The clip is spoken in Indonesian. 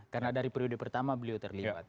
karena dari priode pertama beliau terlibat